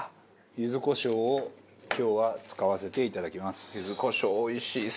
柚子胡椒を今日は使わせていただきます。